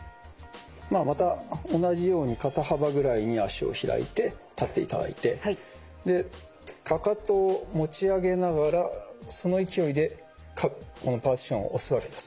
まあまた同じように肩幅ぐらいに脚を開いて立っていただいてかかとを持ち上げながらその勢いでこのパーティションを押すわけです。